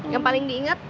yang paling diinget